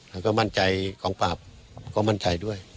แล้วก็มั่นใจกองปราบก็มั่นใจด้วย